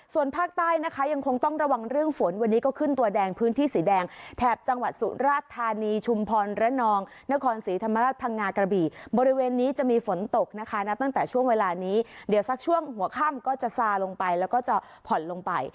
ส่วนภาคใต้นะคะยังคงต้องระวังเรื่องฝนวันนี้ก็ขึ้นตัวแดงพื้นที่สีแดงแถบจังหวัดสุราชธานีชุมพรระนองนครศรีธรรมราชพังงากระบี่บริเวณนี้จะมีฝนตกนะคะณตั้งแต่ช่วงเวลานี้เดี๋ยวสักช่วงหัวค่ำก็จะซาลงไปแล้วก็จะผ่อนลงไป